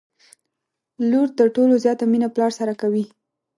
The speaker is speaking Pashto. لور تر ټولو زياته مينه پلار سره کوي